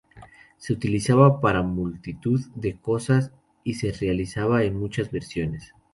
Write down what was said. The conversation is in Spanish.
Se utilizaba para multitud de cosas y se realizaba en muchas versiones.